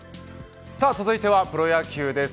続いてはプロ野球です。